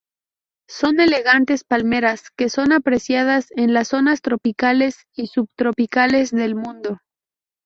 Son elegantes palmeras que son apreciadas en las zonas tropicales y subtropicales del mundo.